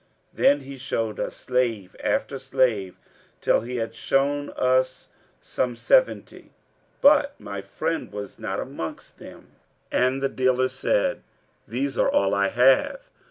Then he showed us slave after slave; till he had shown us some seventy; but my friend was not amongst them, and the dealer said, 'These are all I have.'